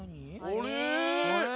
あれ？